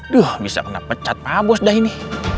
duh bisa kena pecat mabos dah ini